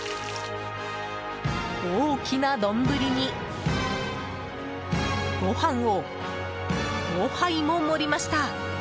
大きな丼にご飯を５杯も盛りました。